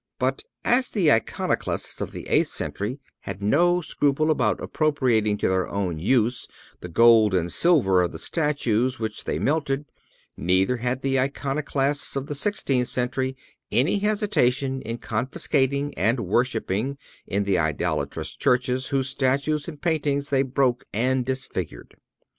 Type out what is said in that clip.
But as the Iconoclasts of the eighth century had no scruple about appropriating to their own use the gold and silver of the statues which they melted, neither had the Iconoclasts of the sixteenth century any hesitation in confiscating and worshiping in the idolatrous churches whose statues and paintings they broke and disfigured.